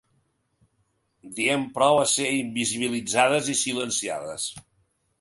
Diem prou a ser invisibilitzades i silenciades.